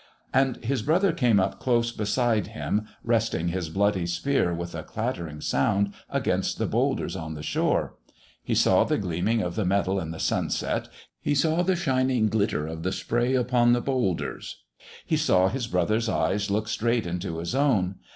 And his brother came up close beside him, resting his bloody spear with a clattering sound against the boulders on the shore. He saw the gleaming of the metal in the sunset, he saw the shining glitter of the spray upon the boulders, he saw his brother's eyes look straight into his own.